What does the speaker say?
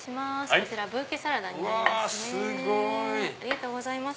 こちらブーケサラダになります。